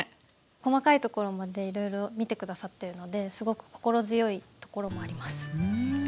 細かいところまでいろいろ見て下さってるのですごく心強いところもあります。